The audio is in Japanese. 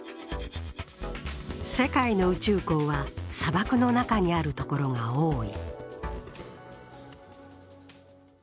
世界の宇宙港は砂漠の中にあるところが多い。